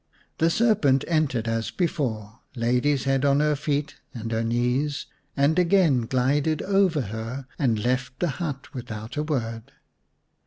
The serpent entered as before, laid his head on her feet and her knees, and again glided over her and left the hut without a word.